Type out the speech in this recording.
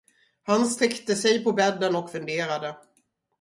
Han sträckte sig på bädden och funderade.